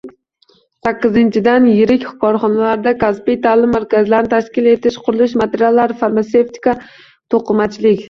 Sakkizinchidan, yirik korxonalarda kasbiy ta’lim markazlarini tashkil etish, qurilish materiallari, farmasevtika, to‘qimachilik